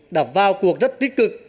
đã vào cuộc rất tích cực